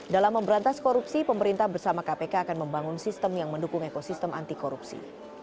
dalam memberantas korupsi pemerintah bersama kpk akan membangun sistem yang mendukung ekosistem anti korupsi